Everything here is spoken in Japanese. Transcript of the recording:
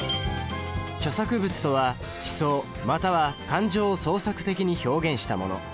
著作物とは思想または感情を創作的に表現したもの。